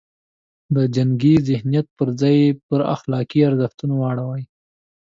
د جنګي ذهنیت پر ځای یې پر اخلاقي ارزښتونو واړوي.